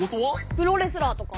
プロレスラーとか。